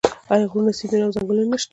آیا غرونه سیندونه او ځنګلونه نشته؟